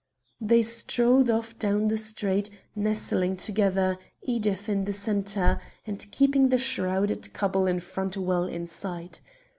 They strolled off down the street, nestling together, Edith in the centre, and keeping the shrouded couple in front well in sight.